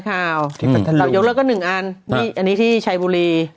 แบบยกเลือกก็หนึ่งอันที่จะใช้บุลี